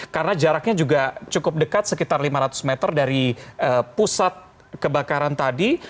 karena jaraknya juga cukup dekat sekitar lima ratus meter dari pusat kebakaran tadi